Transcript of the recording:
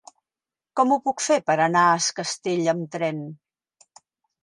Com ho puc fer per anar a Es Castell amb tren?